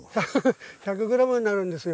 １００ｇになるんですよ。